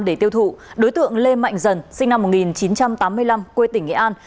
để tiêu thụ đối tượng lê mạnh dần sinh năm một nghìn chín trăm tám mươi năm quê tỉnh nghệ an